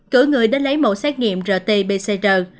cử người đến lấy một xét nghiệm rt pcr